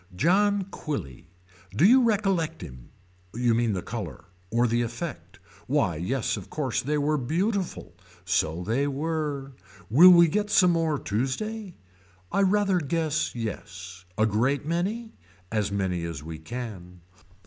John Quilly. Do you recollect him. You mean the color. Or the effect. Why yes of course they were beautiful. So they were. Will we get some more Tuesday. I rather guess yes. A great many. As many as we can.